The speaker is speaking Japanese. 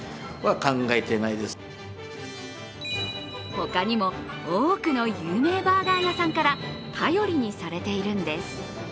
他にも多くの有名バーガー屋さんから頼りにされているんです。